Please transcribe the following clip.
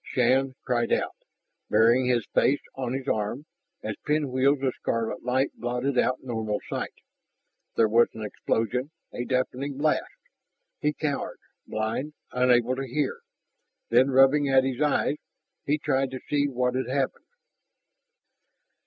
Shann cried out, burying his face on his arm, as pinwheels of scarlet light blotted out normal sight. There was an explosion, a deafening blast. He cowered, blind, unable to hear. Then, rubbing at his eyes, he tried to see what had happened.